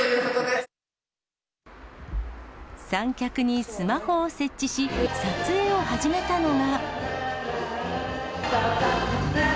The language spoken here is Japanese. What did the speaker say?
三脚にスマホを設置し、撮影を始めたのが。